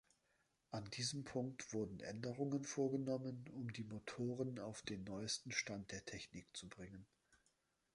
An diesem Punkt wurden Änderungen vorgenommen, um die Motoren auf den neuesten Stand der Technik zu bringen.